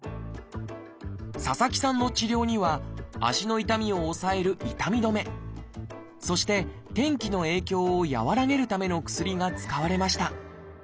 佐々木さんの治療には足の痛みを抑える痛み止めそして天気の影響を和らげるための薬が使われました。